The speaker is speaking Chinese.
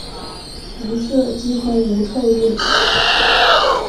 无色几乎无臭液体。